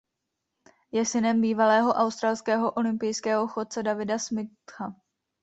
Je synem bývalého australského olympijského chodce Davida Smitha.